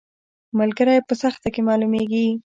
ملګری په سخته کې معلومیږي